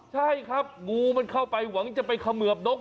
ใช่ครับงูมันเข้าไปหวังจะไปเขมือบนก